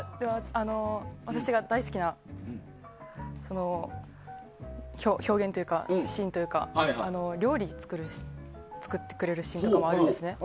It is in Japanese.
私が大好きな表現というか、シーンというか料理を作ってくれるシーンとかもあるんですね。